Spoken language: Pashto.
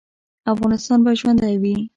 افغانستان به ژوندی وي؟